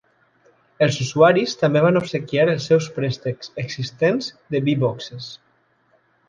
Els usuaris també van obsequiar els seus préstecs existents de Be-Boxes.